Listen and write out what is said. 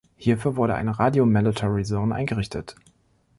Hierfür wurde eine Radio Mandatory Zone eingerichtet.